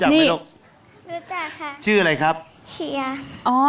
หมดไป๓ชั่วโมงแล้ว